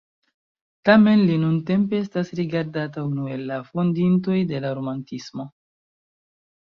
Tamen li nuntempe estas rigardata unu el la fondintoj de la romantismo.